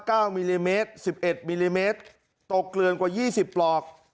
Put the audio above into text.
มิลลิเมตรสิบเอ็ดมิลลิเมตรตกเกลือนกว่ายี่สิบปลอก